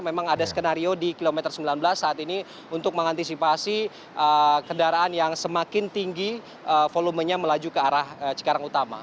memang ada skenario di kilometer sembilan belas saat ini untuk mengantisipasi kendaraan yang semakin tinggi volumenya melaju ke arah cikarang utama